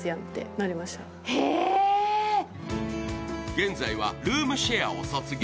現在はルームシェアを卒業。